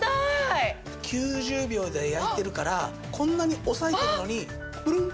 ９０秒で焼いてるからこんなに押さえてるのにプルン。